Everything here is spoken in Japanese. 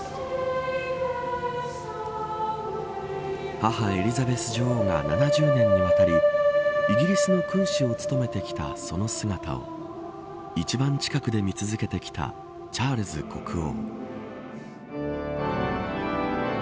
母、エリザベス女王が７０年にわたりイギリスの君主を務めてきたその姿を一番近くで見続けてきたチャールズ国王。